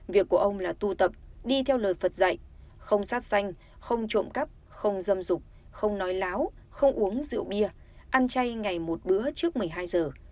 việc của ông là tụ tập đi theo lời phật dạy không sát xanh không trộm cắp không dâm rục không nói láo không uống rượu bia ăn chay ngày một bữa trước một mươi hai giờ